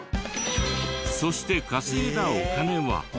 そして稼いだお金は。